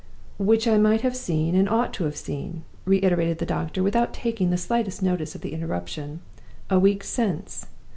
"Which I might have seen, and ought to have seen," reiterated the doctor, without taking the slightest notice of the interruption, "a week since.